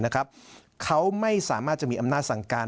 เขาไม่สามารถจะมีอำนาจสั่งการ